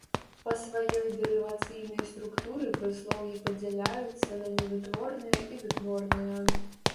Па сваёй дэрывацыйнай структуры прыслоўі падзяляюцца на невытворныя і вытворныя.